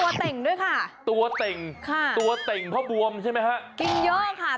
ตัวเต่งด้วยค่ะตัวเต่งตัวเต่งเพราะบวมใช่มั้ยคะกินเยอะค่ะ